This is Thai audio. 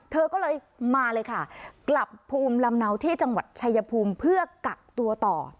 เธอก็เลยมาเลยค่ะกลับภูมิลำเนาที่จังหวัดชายภูมิเพื่อกักตัวต่อ